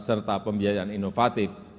serta pembiayaan inovatif